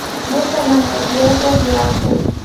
مصر نن یو بېوزله هېواد دی.